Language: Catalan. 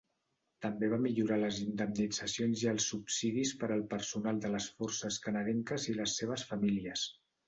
També va millorar les indemnitzacions i els subsidis per al personal de les Forces Canadenques i les seves famílies.